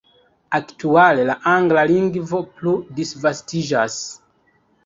Aktuale la angla lingvo plu disvastiĝas.